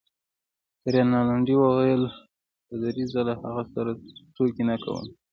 رینالډي وویل: پادري؟ زه له هغه سره ټوکې نه کوم.